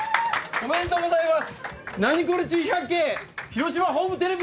おめでとうございます！